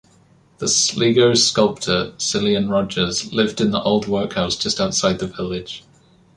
The Sligo sculptor, Cillian Rodgers, lives in the old workhouse just outside the village.